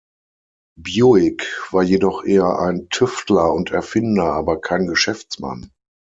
Buick war jedoch eher ein Tüftler und Erfinder, aber kein Geschäftsmann.